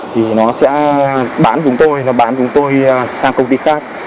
thì nó sẽ bán chúng tôi và bán chúng tôi sang công ty khác